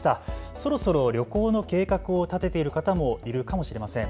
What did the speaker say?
そろそろ旅行の計画を立てている方もいるかもしれません。